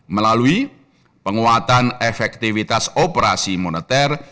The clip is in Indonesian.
melalui penguatan efektivitas operasi moneter